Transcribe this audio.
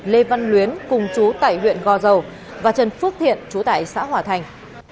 lê văn luyến cùng chú tại huyện go dầu và trần phước thiện chú tại xã hỏa thành